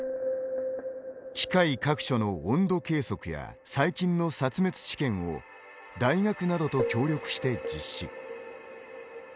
機械各所の温度計測や細菌の殺滅試験を大学などと協力して実施。